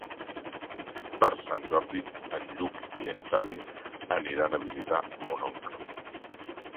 Per Sant Jordi en Lluc i en Xavi aniran a visitar mon oncle.